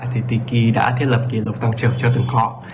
tiki đã thiết lập kỷ lục tăng trưởng chưa từng khó